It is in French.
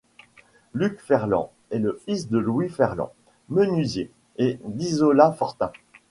Luc Ferland est le fils de Louis Ferland, menuisier, et d'Isola Fortin.